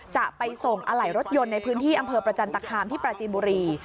จะไปส่งอะไหล่รถยนต์ในพื้นที่อำเภอประจันตคามที่ปราจีนบุรี